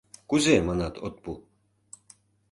— Кузе, манат, от пу?